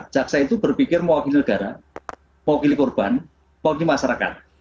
jaksa itu berpikir mau wakili negara mau wakili korban mau wakili masyarakat